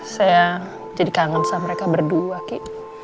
saya jadi kangen sama mereka berdua kik